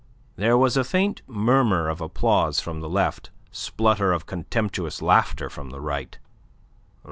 There was a faint murmur of applause from the Left, splutter of contemptuous laughter from the Right.